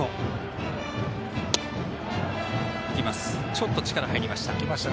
ちょっと力が入りました。